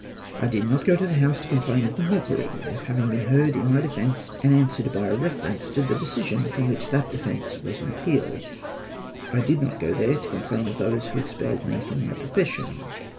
I did not go to the House to complain of the mockery of having been heard in my defence, and answered by a reference to the decision from which that defence was an appeal. I did not go there to complain of those who expelled me from my profession.